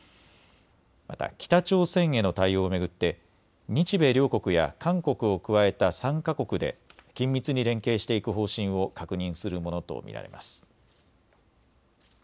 また北朝鮮への対応を巡って日米両国や韓国を加えた３か国で緊密に連携していく方針を確認するものと見られます。